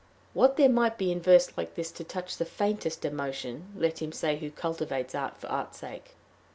What there might be in verse like this to touch with faintest emotion, let him say who cultivates art for art's sake.